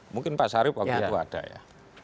mungkin pak sarip waktu itu ada ya